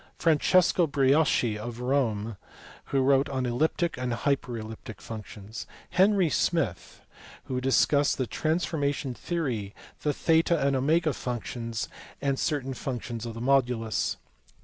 Francesco Brioschi of Rome (see below, p. 478), who wrote on elliptic and hyperelliptic functions. Henry Smith (see above, p. 461), who discussed the trans formation theory, the theta and omega functions, and certain functions of the modulus.